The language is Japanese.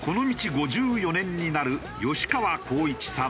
５４年になる吉川好一さん